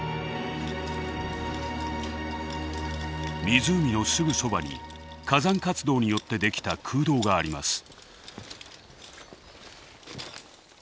湖のすぐそばに火山活動によってできた空洞があります。